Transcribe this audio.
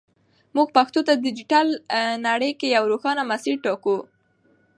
موږ پښتو ته په ډیجیټل نړۍ کې یو روښانه مسیر ټاکو.